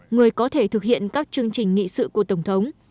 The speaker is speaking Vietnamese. người có thể thực hiện các chương trình nghị sự của tổng thống